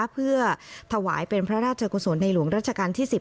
เพื่อถวายเป็นพระราชกุศลในหลวงรัชกาลที่๑๐